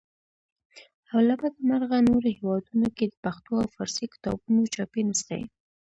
او له بده مرغه نورو هیوادونو کې د پښتو او فارسي کتابونو چاپي نخسې.